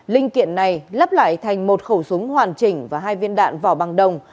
linh kiện này lắp lại thành một khẩu súng hoàn chỉnh và hai viên đạn vỏ bằng đồng